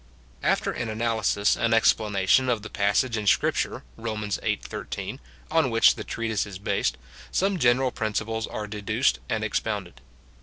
After an analysis and explanation of the passage in Scripture (Rom. viii. lo) on which the treatise is based, some general principles are deduced and expounded.